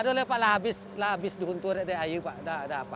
tidak ada pak habislah habis dihuntur dari air pak tidak ada apa